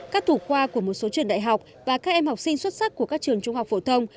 các thủ khoa của một số trường đại học và các em học sinh xuất sắc của các trường trung học phổ thông